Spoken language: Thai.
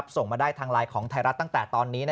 ส่งมาได้ทางไลน์ของไทยรัฐตั้งแต่ตอนนี้